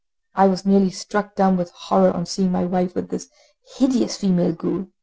I was nearly struck dumb with horror on seeing my wife with this hideous female ghoul.